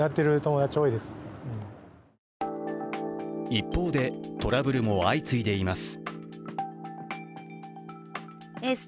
一方で、トラブルも相次いでいます。